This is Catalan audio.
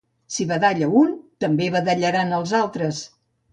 Si badalla un, també badallaran els altres.